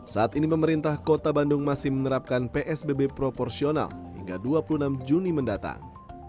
saat ini pemerintah kota bandung masih menerapkan psbb proporsional hingga dua puluh enam juni mendatang